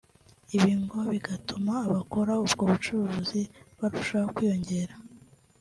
ibi ngo bigatuma abakora ubwo bucuruzi barushaho kwiyongera